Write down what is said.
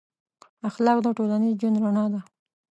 اخلاق د ټولنیز ژوند رڼا ده.